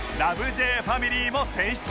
Ｊ ファミリーも選出